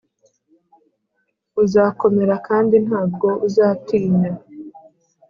uzakomera kandi ntabwo uzatinya,